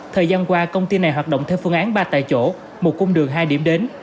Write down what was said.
thời gian qua công ty này hoạt động theo phương án ba tại chỗ một cung đường hai điểm đến